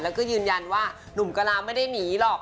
แล้วก็ยืนยันว่าหนุ่มกะลาไม่ได้หนีหรอก